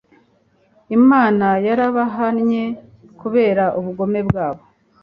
imana yarabahannye kubera ubugome bwabo